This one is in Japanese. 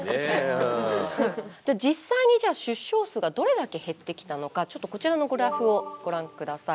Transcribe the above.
じゃあ実際に出生数がどれだけ減ってきたのかこちらのグラフをご覧ください。